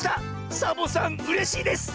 サボさんうれしいです！